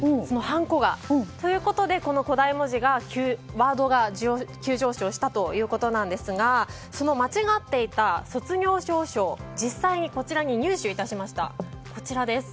ハンコが。ということで古代文字というワードが急上昇したということなんですがその間違っていた卒業証書実際にこちらに入手致しました。